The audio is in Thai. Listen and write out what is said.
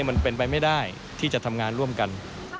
มันเป็นไปไม่ได้ที่จะทำงานร่วมกัน